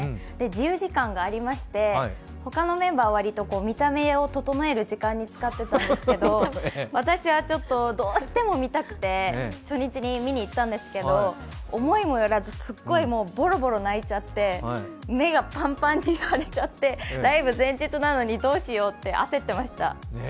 自由時間がありまして、他のメンバーは見た目を整える時間に使ってたんですけど私はちょっとどうしても見たくて初日に見に行ったんですけど思いもよらず、すっごいボロボロ泣いちゃって目がパンパンに腫れちゃってライブ前日なのにどうしようって焦ってました。